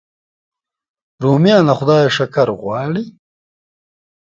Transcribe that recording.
رومیان له خدایه شکر غواړي